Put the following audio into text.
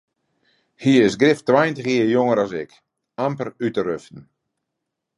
Hy is grif tweintich jier jonger as ik, amper út de ruften.